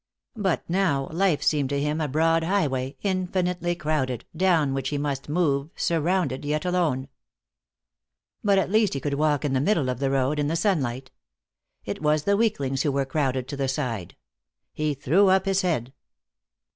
But now, life seemed to him a broad highway, infinitely crowded, down which he must move, surrounded yet alone. But at least he could walk in the middle of the road, in the sunlight. It was the weaklings who were crowded to the side. He threw up his head.